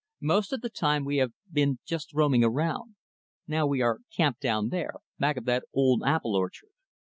Most of the time, we have been just roaming around. Now, we are camped down there, back of that old apple orchard."